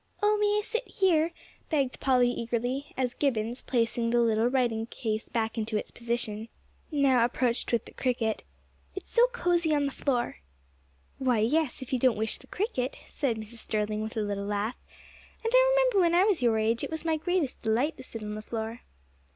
"Oh, may I sit here?" begged Polly eagerly, as Gibbons, placing the little writing case back into position, now approached with the cricket; "it's so cosey on the floor." "Why, yes, if you don't wish the cricket," said Mrs. Sterling with a little laugh, "and I remember when I was your age it was my greatest delight to sit on the floor."